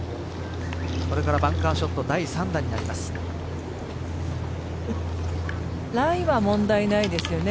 これからバンカーショット第３打になります。